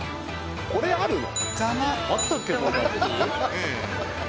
これあるの？